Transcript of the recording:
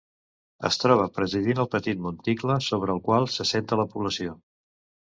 Es troba presidint el petit monticle sobre el qual s'assenta la població.